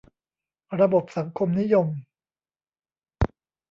ระบบสังคมนิยม